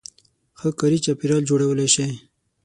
-ښه کاري چاپېریال جوړولای شئ